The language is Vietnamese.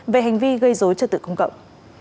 về hành vi gây dối trật tự công cộng